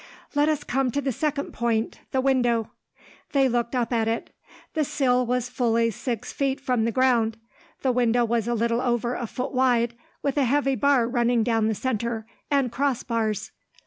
"Let us come to the second point, the window." They looked up at it. The sill was fully six feet from the ground. The window was a little over a foot wide, with a heavy bar running down the centre, and cross bars.